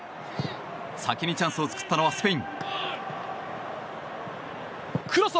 先にチャンスを作ったのはスペイン。